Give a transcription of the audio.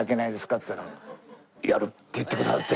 って言ったら「やる！」って言ってくださって。